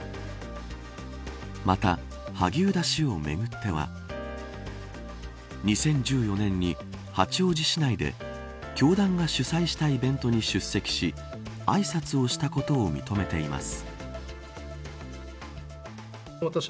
また、萩生田氏をめぐっては２０１４年に、八王子市内で教団が主催したイベントに出席しあいさつをしたことを認めています。